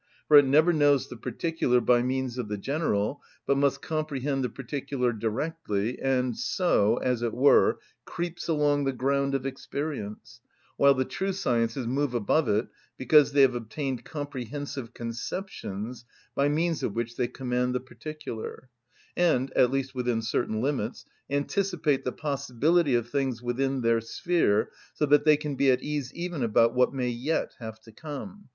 For it never knows the particular by means of the general, but must comprehend the particular directly, and so, as it were, creeps along the ground of experience; while the true sciences move above it, because they have obtained comprehensive conceptions by means of which they command the particular, and, at least within certain limits, anticipate the possibility of things within their sphere, so that they can be at ease even about what may yet have to come.